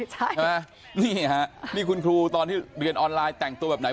ใช่ไหมนี่ฮะนี่คุณครูตอนที่เรียนออนไลน์แต่งตัวแบบไหน